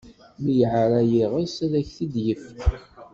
Mi yeɛra yiɣes, ad ak-t-id-yefk.